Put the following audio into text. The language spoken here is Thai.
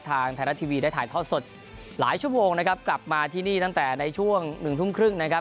ทางไทยรัฐทีวีได้ถ่ายทอดสดหลายชั่วโมงนะครับกลับมาที่นี่ตั้งแต่ในช่วงหนึ่งทุ่มครึ่งนะครับ